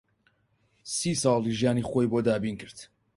سی ساڵی ژیانی خۆی بۆ دابین کرد